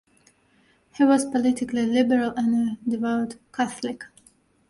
He was politically liberal and a devout Catholic.